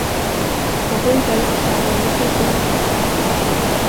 Jag får inte ens tag i en liten skit.